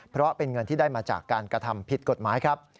เพราะเป็นเงินที่ได้มาจากการกระทำผิดกฎหมายครับ